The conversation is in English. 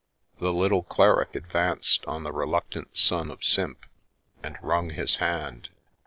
The little cleric advanced on the reluctant son of Simp and wrung his hand.